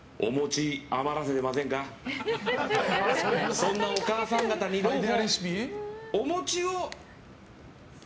そんなお母さん方に朗報。